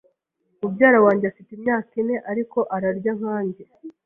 Mubyara wanjye afite imyaka ine, ariko ararya nkanjye.